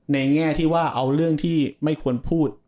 แง่ที่ว่าเอาเรื่องที่ไม่ควรพูด